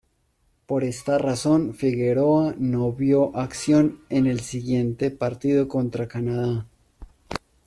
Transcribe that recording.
Por esta razón, Figueroa no vio acción en el siguiente partido contra Canadá.